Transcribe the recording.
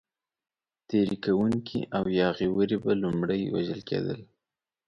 تېري کوونکي او یاغي وري به لومړی وژل کېدل.